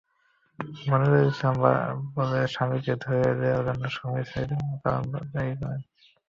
মনিরুল ইসলাম বলে, স্বামীকে ধরিয়ে দেওয়ার জন্য সুমি সাইদুল, মোবারকদের দায়ী করেন।